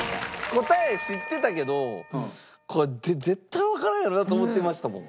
答え知ってたけどこれ絶対わからんやろなと思ってましたもん。